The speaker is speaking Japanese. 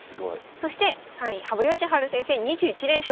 そして３位羽生善治先生２１連勝。